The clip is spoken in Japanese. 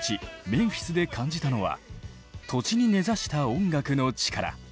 メンフィスで感じたのは土地に根ざした音楽の力。